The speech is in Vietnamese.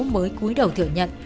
mới cúi đầu thừa nhận